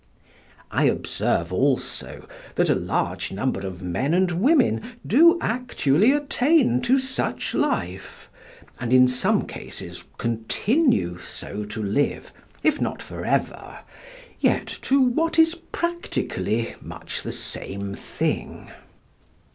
I observe also that a large number of men and women do actually attain to such life, and in some cases continue so to live, if not for ever, yet to what is practically much the same thing.